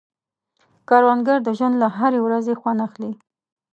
کروندګر د ژوند له هرې ورځې خوند اخلي